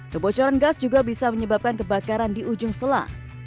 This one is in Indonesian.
kebocoran gas juga bisa menyebabkan kebakaran di ujung selak